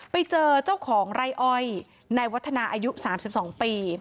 ไปเจอเจ้าของไร้อ้อยในวัฒนาอายุสามสิบสองปี